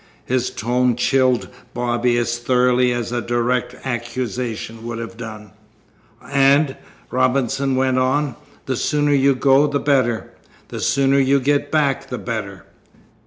His tone chilled Bobby as thoroughly as a direct accusation would have done. "And," Robinson went on, "the sooner you go the better. The sooner you get back the better."